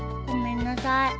ごめんなさい。